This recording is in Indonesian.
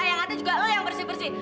yang ada juga lo yang bersih bersih